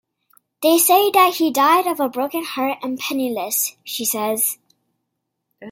They say that he died of a broken heart and penniless, she says.